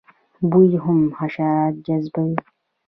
بوی هم حشرات جذبوي